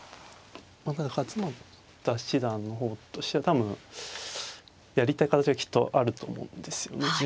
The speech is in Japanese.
まあただ勝又七段の方としては多分やりたい形がきっとあると思うんですよね。